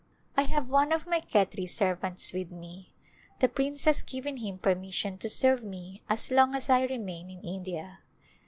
I have one of my Khetri servants with me ; the prince has given him permission to serve me as long as I remain in India.